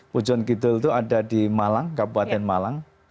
pujon kidul itu ada di malang kabupaten malang